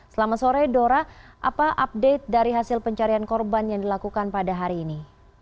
selamat sore dora apa update dari hasil pencarian korban yang dilakukan pada hari ini